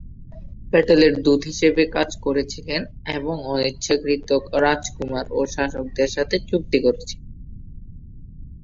প্যাটেলের দূত হিসাবে কাজ করেছিলেন এবং অনিচ্ছাকৃত রাজকুমার ও শাসকদের সাথে চুক্তি করেছিলেন।